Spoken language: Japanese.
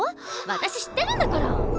私知ってるんだから。